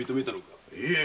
いえ